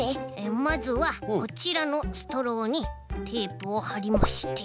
まずはこちらのストローにテープをはりまして。